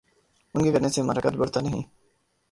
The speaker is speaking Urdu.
ان کے کرنے سے ہمارا قد بڑھتا نہیں۔